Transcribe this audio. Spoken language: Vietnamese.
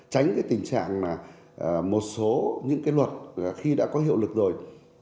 tránh cái tình trạng là một số những cái luật khi đã có hiệu lực rồi